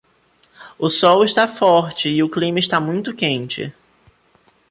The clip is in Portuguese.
O sol está forte e o clima está muito quente